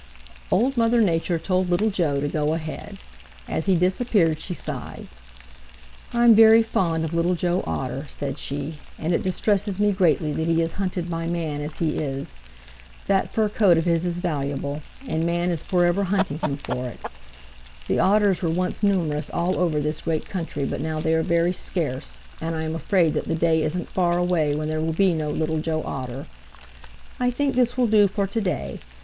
Old Mother Nature told Little Joe to go ahead. As he disappeared, she sighed. "I'm very fond of Little Joe Otter," said she, "and it distresses me greatly that he is hunted by man as he is. That fur coat of his is valuable, and man is forever hunting him for it. The Otters were once numerous all over this great country, but now they are very scarce, and I am afraid that the day isn't far away when there will be no Little Joe Otter. I think this will do for to day.